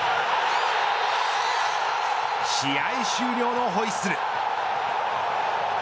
試合終了のホイッスル。